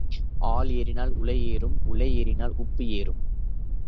ஆள் ஏறினால் உலை ஏறும் உலை ஏறினால் உப்பு ஏறும்.